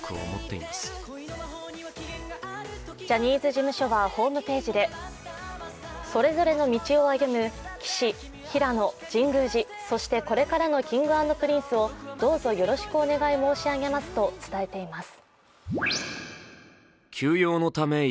ジャニーズ事務所はホームページでそれぞれの道を歩む岸、平野、神宮寺そして、これからのＫｉｎｇ＆Ｐｒｉｎｃｅをどうぞよろしくお願い申し上げますと伝えています。